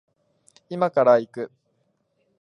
今から行く